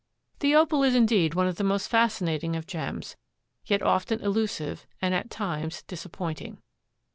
The Opal is indeed one of the most fascinating of gems; yet often elusive and at times disappointing.